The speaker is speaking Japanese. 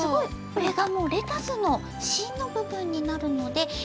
これがもうレタスのしんのぶぶんになるので。